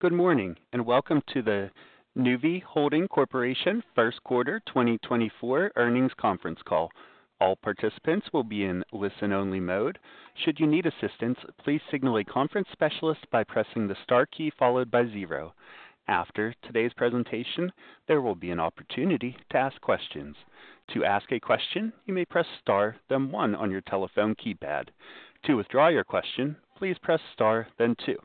Good morning and welcome to the Nuvve Holding Corporation first quarter 2024 earnings conference call. All participants will be in listen-only mode. Should you need assistance, please signal a conference specialist by pressing the star key followed by zero. After today's presentation, there will be an opportunity to ask questions. To ask a question, you may press star, then one on your telephone keypad. To withdraw your question, please press star, then two.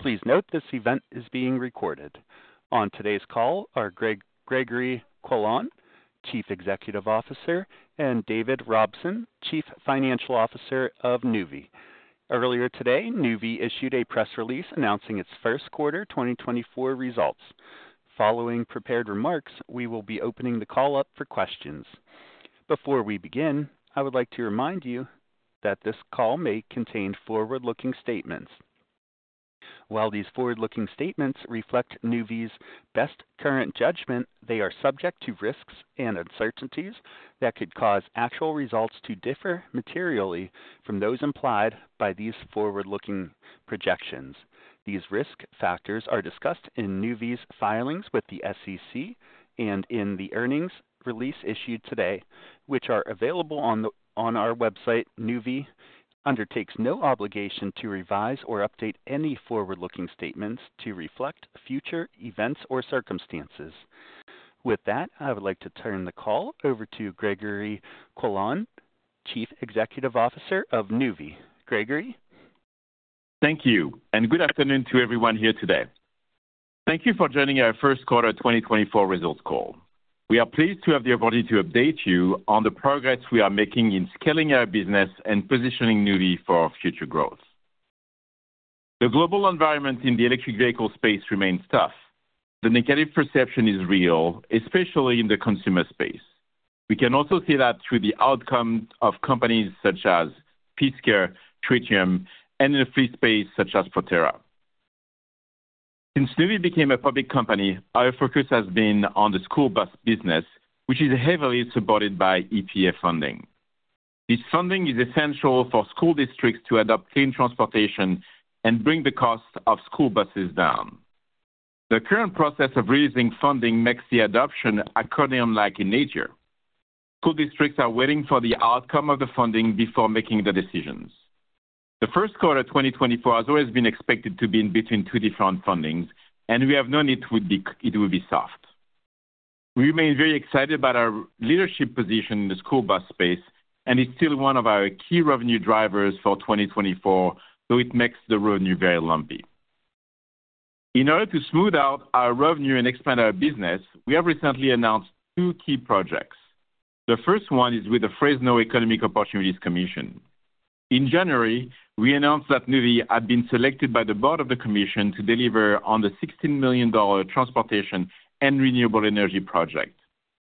Please note this event is being recorded. On today's call are Gregory Poilasne, Chief Executive Officer, and David Robson, Chief Financial Officer of Nuvve. Earlier today, Nuvve issued a press release announcing its first quarter 2024 results. Following prepared remarks, we will be opening the call up for questions. Before we begin, I would like to remind you that this call may contain forward-looking statements. While these forward-looking statements reflect Nuvve's best current judgment, they are subject to risks and uncertainties that could cause actual results to differ materially from those implied by these forward-looking projections. These risk factors are discussed in Nuvve's filings with the SEC and in the earnings release issued today, which are available on our website. Nuvve undertakes no obligation to revise or update any forward-looking statements to reflect future events or circumstances. With that, I would like to turn the call over to Gregory Poilasne, Chief Executive Officer of Nuvve. Gregory? Thank you, and good afternoon to everyone here today. Thank you for joining our first quarter 2024 results call. We are pleased to have the opportunity to update you on the progress we are making in scaling our business and positioning Nuvve for future growth. The global environment in the electric vehicle space remains tough. The negative perception is real, especially in the consumer space. We can also see that through the outcomes of companies such as Fisker, Tritium, and in the fleet space such as Proterra. Since Nuvve became a public company, our focus has been on the school bus business, which is heavily supported by EPA funding. This funding is essential for school districts to adopt clean transportation and bring the cost of school buses down. The current process of raising funding makes the adoption accordion-like in nature. School districts are waiting for the outcome of the funding before making the decisions. The first quarter 2024 has always been expected to be in between two different fundings, and we have known it would be soft. We remain very excited about our leadership position in the school bus space, and it's still one of our key revenue drivers for 2024, though it makes the revenue very lumpy. In order to smooth out our revenue and expand our business, we have recently announced two key projects. The first one is with the Fresno Economic Opportunities Commission. In January, we announced that Nuvve had been selected by the board of the commission to deliver on the $16 million transportation and renewable energy project.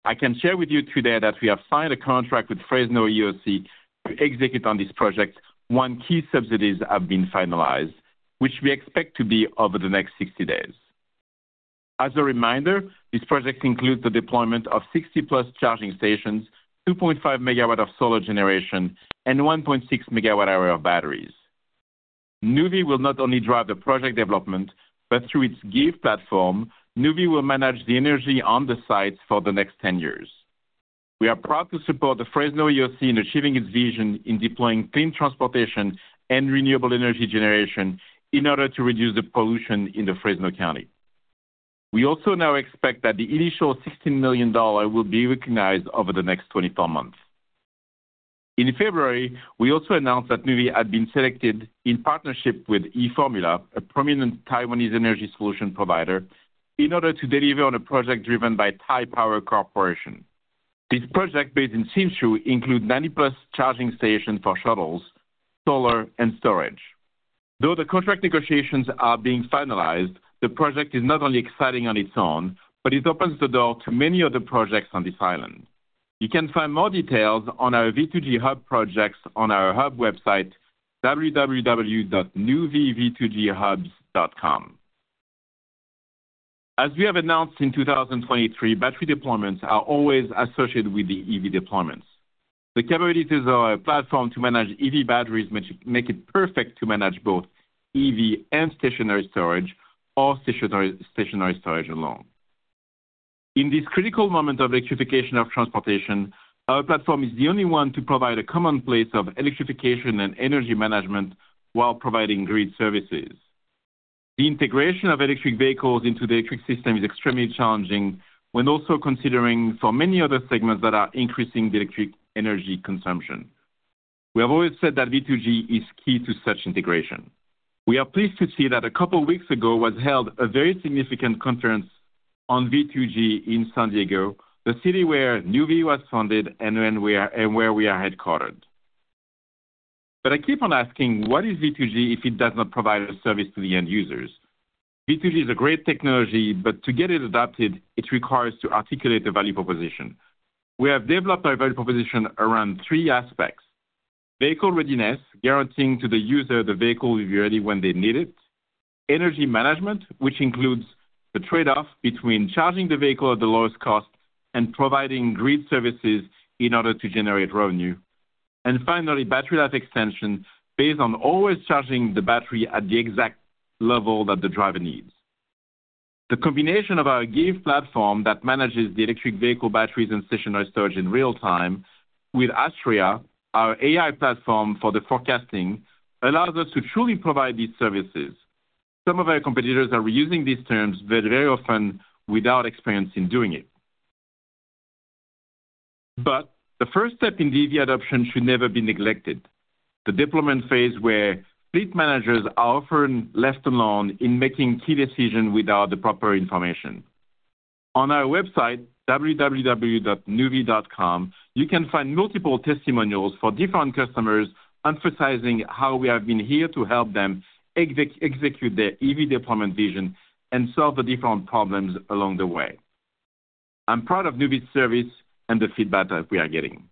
I can share with you today that we have signed a contract with Fresno EOC to execute on this project. One key subsidy has been finalized, which we expect to be over the next 60 days. As a reminder, this project includes the deployment of 60+ charging stations, 2.5 MW of solar generation, and 1.6 MWh of batteries. Nuvve will not only drive the project development, but through its GIVe platform, Nuvve will manage the energy on the sites for the next 10 years. We are proud to support the Fresno EOC in achieving its vision in deploying clean transportation and renewable energy generation in order to reduce the pollution in Fresno County. We also now expect that the initial $16 million will be recognized over the next 24 months. In February, we also announced that Nuvve had been selected in partnership with e-Formula, a prominent Taiwanese energy solution provider, in order to deliver on a project driven by Taiwan Power Company. This project, based in Hsinchu, includes 90+ charging stations for shuttles, solar, and storage. Though the contract negotiations are being finalized, the project is not only exciting on its own, but it opens the door to many other projects on this island. You can find more details on our V2G hub projects on our hub website, www.nuvveghubs.com. As we have announced in 2023, battery deployments are always associated with the EV deployments. The capabilities of our platform to manage EV batteries make it perfect to manage both EV and stationary storage, or stationary storage alone. In this critical moment of electrification of transportation, our platform is the only one to provide a commonplace of electrification and energy management while providing grid services. The integration of electric vehicles into the electric system is extremely challenging when also considering for many other segments that are increasing the electric energy consumption. We have always said that V2G is key to such integration. We are pleased to see that a couple of weeks ago was held a very significant conference on V2G in San Diego, the city where Nuvve was founded and where we are headquartered. But I keep on asking, what is V2G if it does not provide a service to the end users? V2G is a great technology, but to get it adopted, it requires to articulate a value proposition. We have developed our value proposition around three aspects: vehicle readiness, guaranteeing to the user the vehicle will be ready when they need it; energy management, which includes the trade-off between charging the vehicle at the lowest cost and providing grid services in order to generate revenue; and finally, battery life extension, based on always charging the battery at the exact level that the driver needs. The combination of our GIVe platform that manages the electric vehicle batteries and stationary storage in real time with Astria, our AI platform for the forecasting, allows us to truly provide these services. Some of our competitors are reusing these terms very, very often without experience in doing it. But the first step in V2G adoption should never be neglected: the deployment phase where fleet managers are often left alone in making key decisions without the proper information. On our website, www.nuvve.com, you can find multiple testimonials for different customers emphasizing how we have been here to help them execute their EV deployment vision and solve the different problems along the way. I'm proud of Nuvve's service and the feedback that we are getting.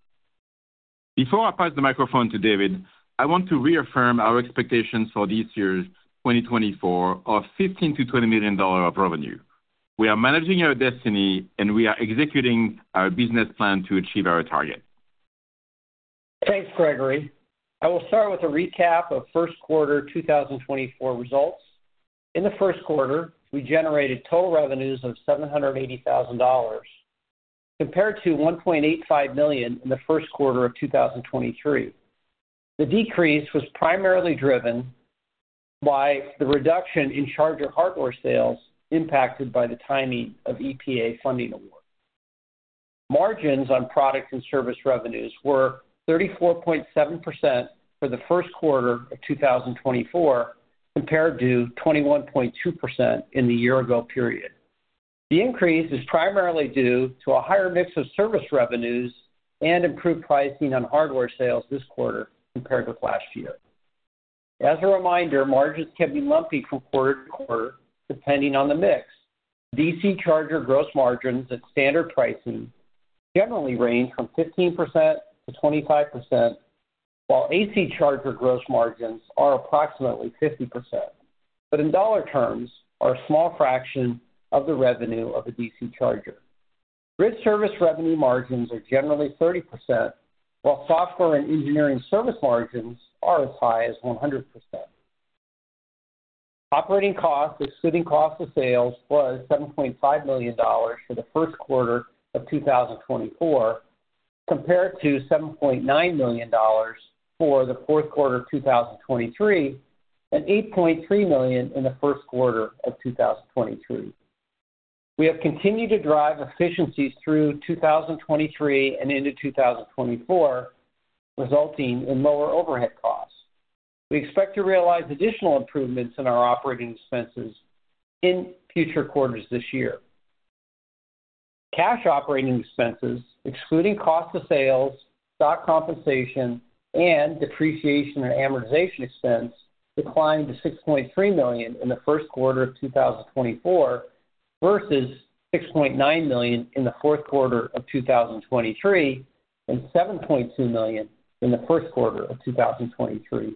Before I pass the microphone to David, I want to reaffirm our expectations for this year, 2024, of $15 million-$20 million of revenue. We are managing our destiny, and we are executing our business plan to achieve our target. Thanks, Gregory. I will start with a recap of first quarter 2024 results. In the first quarter, we generated total revenues of $780,000, compared to $1.85 million in the first quarter of 2023. The decrease was primarily driven by the reduction in charger hardware sales impacted by the timing of EPA funding awards. Margins on product and service revenues were 34.7% for the first quarter of 2024, compared to 21.2% in the year-ago period. The increase is primarily due to a higher mix of service revenues and improved pricing on hardware sales this quarter compared with last year. As a reminder, margins can be lumpy from quarter to quarter depending on the mix. DC charger gross margins at standard pricing generally range from 15%-25%, while AC charger gross margins are approximately 50%, but in dollar terms are a small fraction of the revenue of a DC charger. Grid service revenue margins are generally 30%, while software and engineering service margins are as high as 100%. Operating costs, excluding costs of sales, were $7.5 million for the first quarter of 2024, compared to $7.9 million for the fourth quarter of 2023 and $8.3 million in the first quarter of 2023. We have continued to drive efficiencies through 2023 and into 2024, resulting in lower overhead costs. We expect to realize additional improvements in our operating expenses in future quarters this year. Cash operating expenses, excluding costs of sales, stock compensation, and depreciation and amortization expense, declined to $6.3 million in the first quarter of 2024 versus $6.9 million in the fourth quarter of 2023 and $7.2 million in the first quarter of 2023.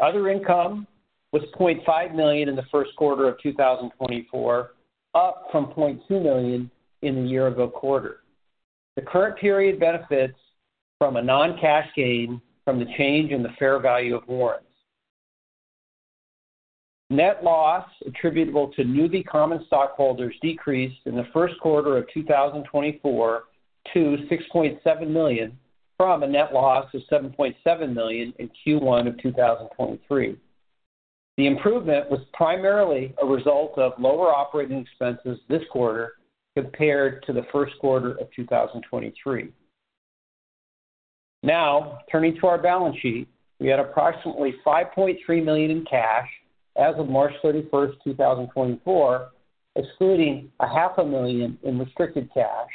Other income was $0.5 million in the first quarter of 2024, up from $0.2 million in the year-ago quarter. The current period benefits from a non-cash gain from the change in the fair value of warrants. Net loss attributable to Nuvve Common Stockholders decreased in the first quarter of 2024 to $6.7 million from a net loss of $7.7 million in Q1 of 2023. The improvement was primarily a result of lower operating expenses this quarter compared to the first quarter of 2023. Now, turning to our balance sheet, we had approximately $5.3 million in cash as of March 31st, 2024, excluding $500,000 in restricted cash,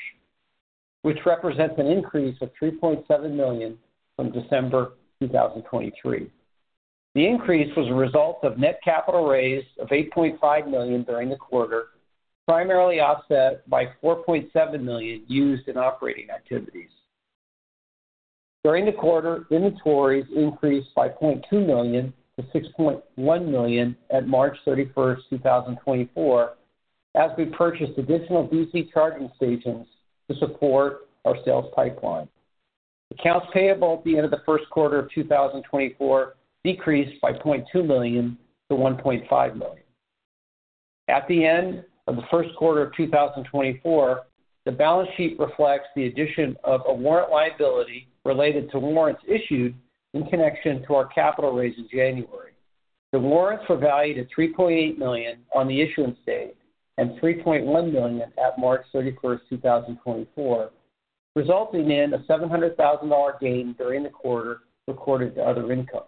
which represents an increase of $3.7 million from December 2023. The increase was a result of net capital raise of $8.5 million during the quarter, primarily offset by $4.7 million used in operating activities. During the quarter, inventories increased by $0.2 million-$6.1 million at March 31st, 2024, as we purchased additional DC charging stations to support our sales pipeline. Accounts payable at the end of the first quarter of 2024 decreased by $0.2 million-$1.5 million. At the end of the first quarter of 2024, the balance sheet reflects the addition of a warrant liability related to warrants issued in connection to our capital raise in January. The warrants were valued at $3.8 million on the issuance date and $3.1 million at March 31st, 2024, resulting in a $700,000 gain during the quarter recorded to other income.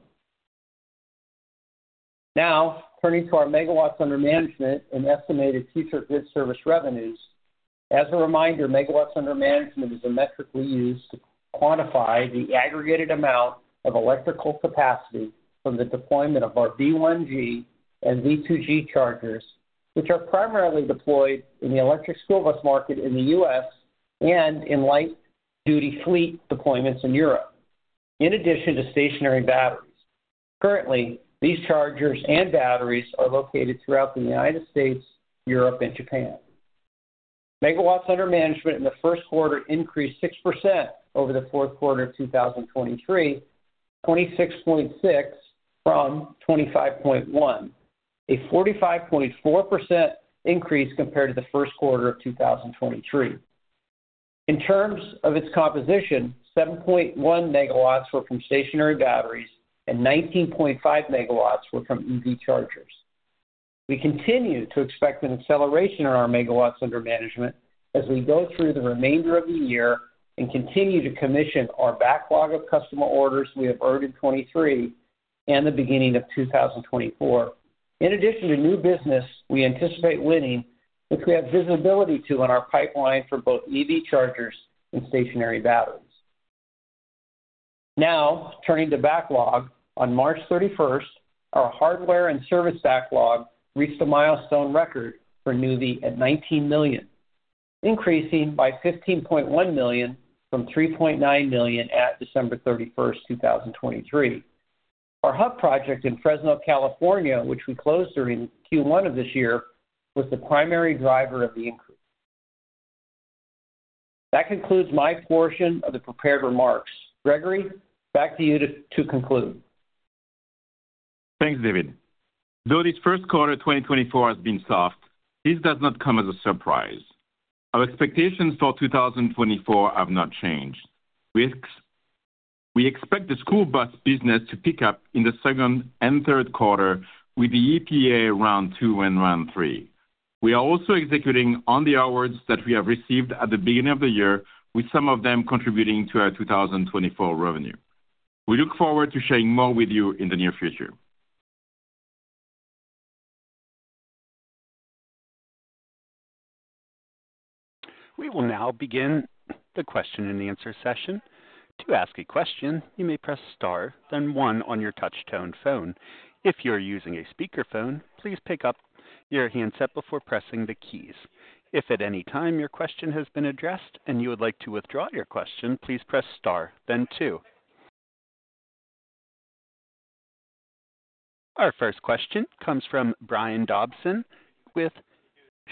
Now, turning to our megawatts under management and estimated future grid service revenues. As a reminder, megawatts under management is a metric we use to quantify the aggregated amount of electrical capacity from the deployment of our V1G and V2G chargers, which are primarily deployed in the electric school bus market in the U.S. and in light-duty fleet deployments in Europe, in addition to stationary batteries. Currently, these chargers and batteries are located throughout the United States, Europe, and Japan. Megawatts under management in the first quarter increased 6% over the fourth quarter of 2023, 26.6 from 25.1, a 45.4% increase compared to the first quarter of 2023. In terms of its composition, 7.1 MW were from stationary batteries, and 19.5 MW were from EV chargers. We continue to expect an acceleration in our megawatts under management as we go through the remainder of the year and continue to commission our backlog of customer orders we have earned in 2023 and the beginning of 2024. In addition to new business, we anticipate winning, which we have visibility to in our pipeline for both EV chargers and stationary batteries. Now, turning to backlog, on March 31st, our hardware and service backlog reached a milestone record for Nuvve at $19 million, increasing by $15.1 million from $3.9 million at December 31st, 2023. Our hub project in Fresno, California, which we closed during Q1 of this year, was the primary driver of the increase. That concludes my portion of the prepared remarks. Gregory, back to you to conclude. Thanks, David. Though this first quarter of 2024 has been soft, this does not come as a surprise. Our expectations for 2024 have not changed. We expect the school bus business to pick up in the second and third quarter with the EPA round two and round three. We are also executing on the awards that we have received at the beginning of the year, with some of them contributing to our 2024 revenue. We look forward to sharing more with you in the near future. We will now begin the question-and-answer session. To ask a question, you may press star, then one on your touch-tone phone. If you are using a speakerphone, please pick up your handset before pressing the keys. If at any time your question has been addressed and you would like to withdraw your question, please press star, then two. Our first question comes from Brian Dobson with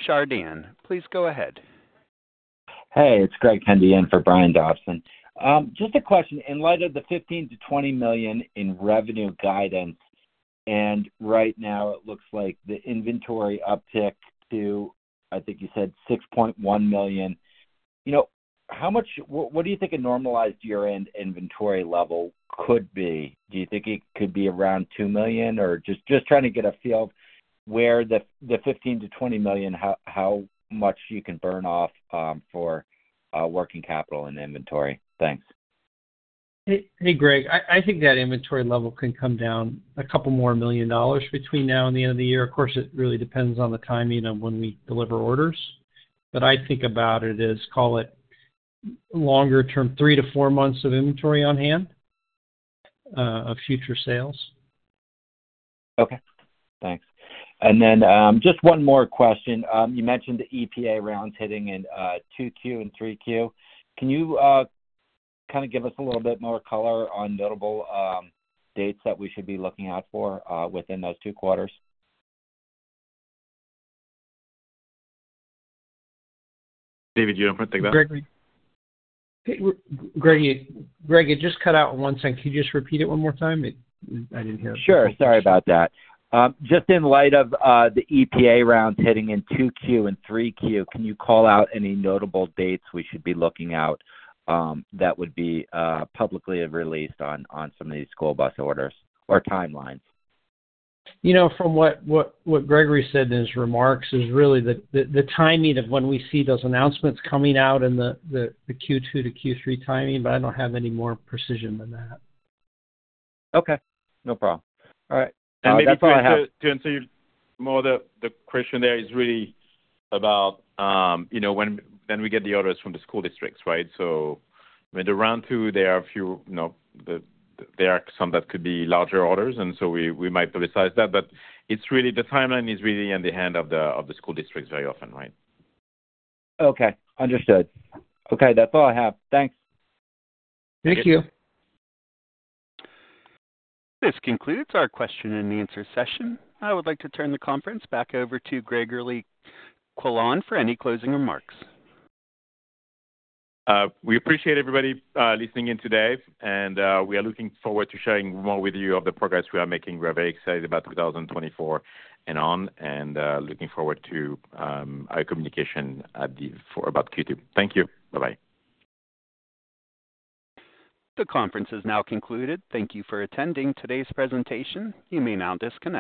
Chardan. Please go ahead. Hey, it's Greg Pendy on for Brian Dobson. Just a question. In light of the $15 million-$20 million in revenue guidance, and right now it looks like the inventory uptick to, I think you said, $6.1 million, what do you think a normalized year-end inventory level could be? Do you think it could be around $2 million or just trying to get a feel of where the $15 million-$20 million, how much you can burn off for working capital and inventory? Thanks. Hey, Greg. I think that inventory level can come down a couple more million dollars between now and the end of the year. Of course, it really depends on the timing of when we deliver orders. But I think about it as, call it, longer-term, three to four months of inventory on hand of future sales. Okay. Thanks. And then just one more question. You mentioned the EPA rounds hitting in 2Q and 3Q. Can you kind of give us a little bit more color on notable dates that we should be looking out for within those two quarters? David, do you want to? Gregory? Gregory, it just cut out one second. Can you just repeat it one more time? I didn't hear it. Sure. Sorry about that. Just in light of the EPA rounds hitting in 2Q and 3Q, can you call out any notable dates we should be looking out that would be publicly released on some of these school bus orders or timelines? From what Gregory said in his remarks is really the timing of when we see those announcements coming out and the Q2 to Q3 timing, but I don't have any more precision than that. Okay. No problem. All right. Maybe to answer more of the question there, it's really about when we get the orders from the school districts, right? I mean, the round two, there are a few, some that could be larger orders, and so we might publicize that. The timeline is really in the hand of the school districts very often, right? Okay. Understood. Okay. That's all I have. Thanks. Thank you. This concludes our question-and-answer session. I would like to turn the conference back over to Gregory Poilasne for any closing remarks. We appreciate everybody listening in today, and we are looking forward to sharing more with you of the progress we are making. We are very excited about 2024 and on, and looking forward to our communication about Q2. Thank you. Bye-bye. The conference is now concluded. Thank you for attending today's presentation. You may now disconnect.